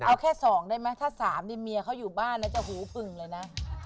เอาแค่๒ได้ไหมถ้า๓นี่เมียเขาอยู่บ้านนะจะหูปึ่งเลยนะ